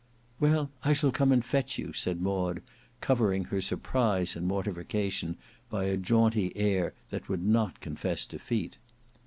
"Well I shall come and fetch you," said Maud, covering her surprise and mortification by a jaunty air that would not confess defeat.